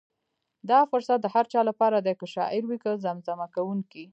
دا فرصت د هر چا لپاره دی، که شاعر وي که زمزمه کوونکی.